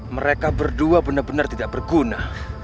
mereka berdua benar benar tidak berguna